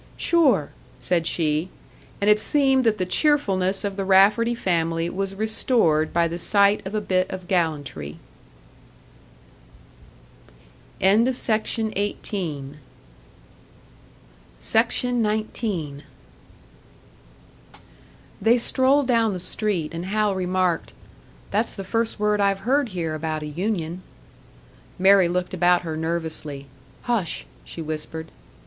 "Sure," said she; and it seemed that the cheerfulness of the Rafferty family was restored by the sight of a bit of gallantry. SECTION 19. They strolled down the street, and Hal remarked, "That's the first word I've heard here about a union." Mary looked about her nervously. "Hush!" she whispered.